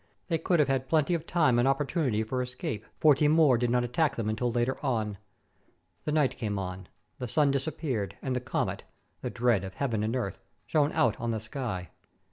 They could have had plenty of time and opportunity for escape, for Timur did not attack them until later on. The night came on; the sun disappeared, and the comet — the dread of heaven and earth — shone out on the sky.